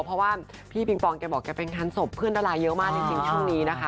เพราะว่าพี่ปิงปองแกบอกแกเป็นงานศพเพื่อนดาราเยอะมากจริงช่วงนี้นะคะ